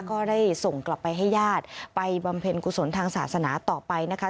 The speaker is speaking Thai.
ก็ได้ส่งกลับไปให้ญาติไปบำเพ็ญกุศลทางศาสนาต่อไปนะคะ